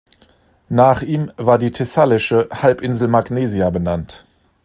Nach ihm war die thessalische Halbinsel Magnesia benannt.